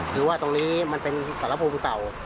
หรือว่าตรงนี้มันเป็นสารภูมิเก่า